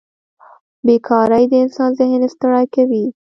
بېکارۍ د انسان ذهن ستړی کوي.